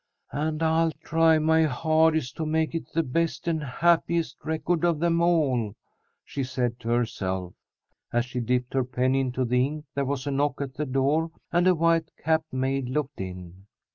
"And I'll try my hardest to make it the best and happiest record of them all," she said to herself. As she dipped her pen into the ink, there was a knock at the door, and a white capped maid looked in.